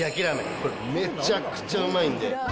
これ、めちゃくちゃうまいんで。